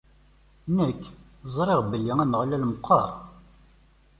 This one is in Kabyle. Nekk, ẓriɣ belli Ameɣlal meqqer.